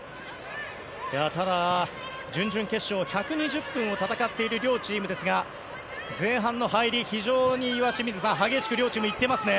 ただ、準々決勝１２０分を戦っている両チームですが前半の入り、非常に激しく両チームいっていますね。